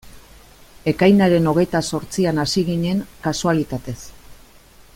Ekainaren hogeita zortzian hasi ginen, kasualitatez.